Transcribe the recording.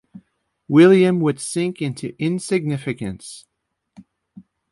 William would sink into insignificance.